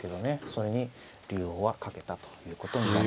それに竜王は懸けたということになります。